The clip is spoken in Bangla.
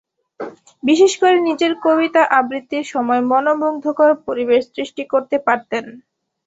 বিশেষ করে নিজের কবিতা আবৃত্তির সময় মনোমুগ্ধকর পরিবেশ সৃষ্টি করতে পারতেন।